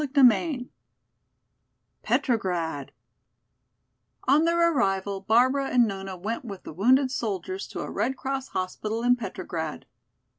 CHAPTER XII Petrograd On their arrival Barbara and Nona went with the wounded soldiers to a Red Cross hospital in Petrograd.